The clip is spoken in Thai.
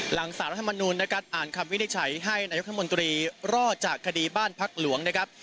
สารรัฐมนูลนะครับอ่านคำวินิจฉัยให้นายุทธมนตรีรอดจากคดีบ้านพักหลวงนะครับ